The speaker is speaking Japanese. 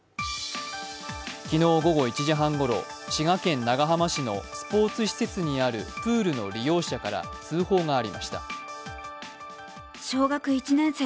昨日午後１時半ごろ、滋賀県長浜市のスポ−ツ施設にあるプールの利用者から通報がありました。